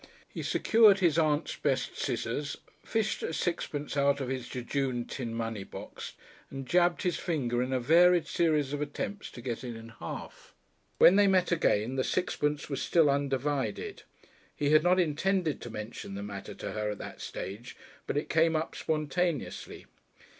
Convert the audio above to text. He secured his aunt's best scissors, fished a sixpence out of his jejune tin money box, and jabbed his finger in a varied series of attempts to get it in half. When they met again the sixpence was still undivided. He had not intended to mention the matter to her at that stage, but it came up spontaneously.